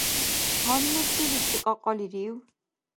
Гьанна селичи кьакьалирив?